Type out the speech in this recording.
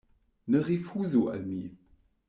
Ne rifuzu al mi.